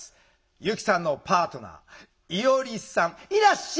由希さんのパートナー伊織さんいらっしゃい。